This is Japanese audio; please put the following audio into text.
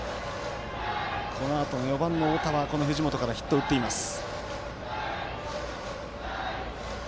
このあとの４番の太田は藤本からヒットを打っています。